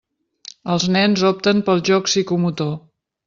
Els nens opten pel joc psicomotor.